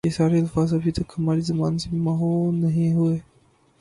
یہ سارے الفاظ ابھی تک ہماری زبان سے محو نہیں ہوئے